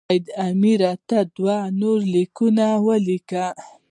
سید امیر ته دوه نور لیکونه ولیکل.